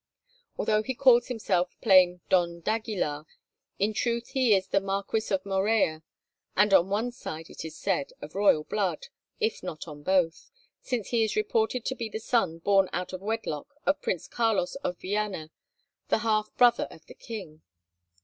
Although he calls himself plain Don d'Aguilar, in truth he is the Marquis of Morella, and on one side, it is said, of royal blood, if not on both, since he is reported to be the son born out of wedlock of Prince Carlos of Viana, the half brother of the king.